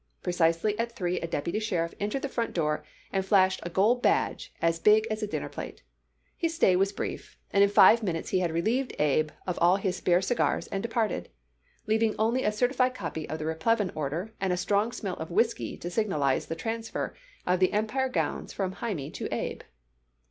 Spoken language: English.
Precisely at three a deputy sheriff entered the front door and flashed a gold badge as big as a dinner plate. His stay was brief, and in five minutes he had relieved Abe of all his spare cigars and departed, leaving only a certified copy of the replevin order and a strong smell of whisky to signalize the transfer of the Empire gowns from Hymie to Abe.